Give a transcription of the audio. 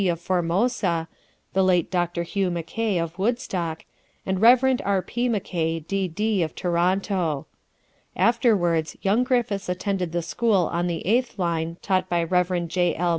of Formosa; the late Dr. Hugh Mackay, of Woodstock; and Rev. R. P. Mackay, D.D., of Toronto. Afterwards young Griffiths attended the school on the 8th line taught by Rev. J. L.